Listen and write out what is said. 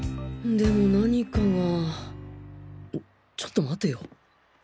でも何かがんっちょっと待てよ